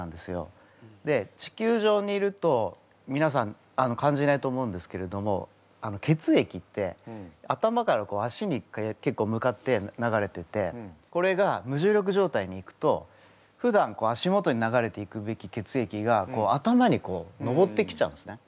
で地球上にいるとみなさん感じないと思うんですけれども血液って頭から足に結構向かって流れててこれが無重力状態に行くとふだん足元に流れていくべき血液が頭に上ってきちゃうんですね。